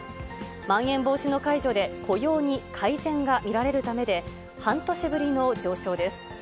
まん延防止の解除で、雇用に改善が見られるためで、半年ぶりの上昇です。